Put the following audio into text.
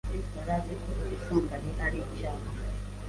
yari azi ko ubusambanyi ari icyaha